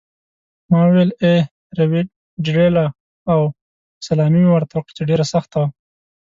ما وویل: 'A rivederla' او سلامي مې ورته وکړه چې ډېره سخته وه.